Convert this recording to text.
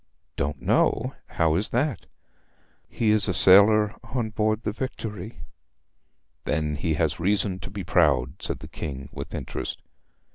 'Don't know how is that?' 'He is a sailor on board the Victory.' 'Then he has reason to be proud,' said the King with interest.